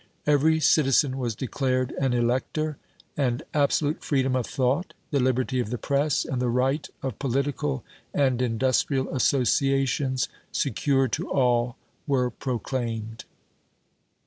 Every citizen was declared an elector, and absolute freedom of thought, the liberty of the press, and the right of political and industrial associations secured to all were proclaimed.